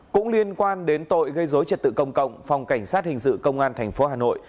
cũng liên quan đến tội gây dối trật tự công cộng phòng cảnh sát hình sự công an tp hà nội